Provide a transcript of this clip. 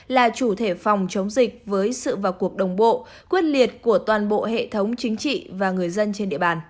là chủ thể phòng chống dịch với sự vào cuộc đồng bộ quyết liệt của toàn bộ hệ thống chính trị và người dân trên địa bàn